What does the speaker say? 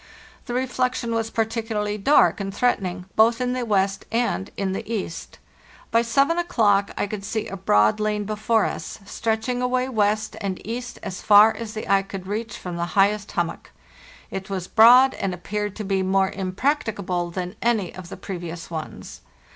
The reflection was particularly dark and threatening, both in the west and in the east. By 7 o'clock I could see a broad lane before us, stretching away west and east as far as the eye could reach from the highest hummock. It was broad, and appeared to be more impracticable than any of the previous ones.